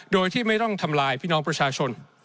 โดยที่ไม่ต้องทำลายพี่น้องประชาชน